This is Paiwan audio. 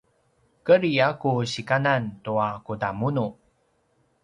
kedri a ku sikanan tua kudamunu